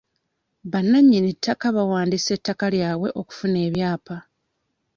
Bannannyini ttaka bawandiisa ettaka lyabwe okufuna ebyapa.